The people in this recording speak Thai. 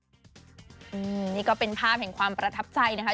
นี่ก็เป็นภาพแห่งความประทับใจนะคะ